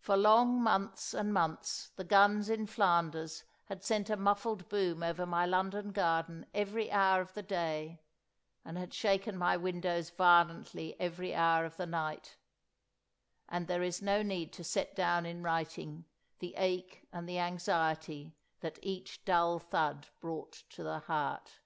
For long months and months the guns in Flanders had sent a muffled boom over my London garden every hour of the day, and had shaken my windows violently every hour of the night; and there is no need to set down in writing the ache and the anxiety that each dull thud brought to the heart.